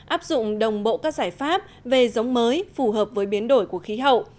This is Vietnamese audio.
áp dụng đồng bộ các giải pháp về giống mới phù hợp với biến đổi của khí hậu